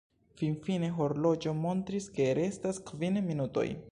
Finfine horloĝo montris ke restas kvin minutoj.